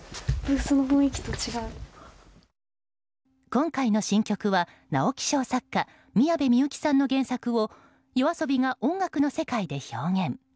今回の新曲は直木賞作家・宮部みゆきさんの原作をＹＯＡＳＯＢＩが音楽の世界で表現。